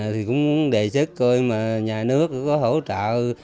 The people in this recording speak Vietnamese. thì cũng đề chức coi mà nhà nước có hỗ trợ